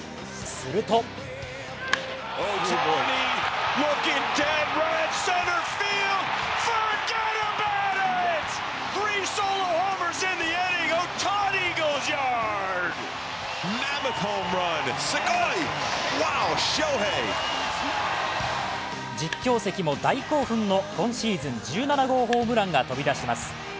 すると実況席も大興奮の今シーズン１７号ホームランが飛び出します。